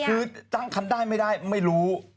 คือตั้งคันได้ไม่ได้ไม่รู้